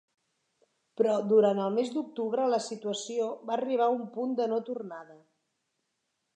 Però durant el mes d'octubre la situació va arribar a un punt de no tornada.